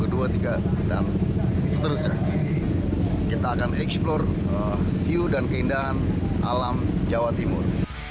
seterusnya kita akan eksplor view dan keindahan alam jawa timur